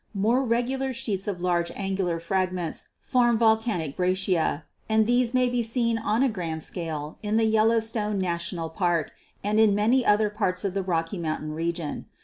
More regular sheets of large angu lar fragments form 'volcanic breccia,' and these may be seen on a grand scale in the Yellowstone National Park and in many other parts of the Rocky Mountain region.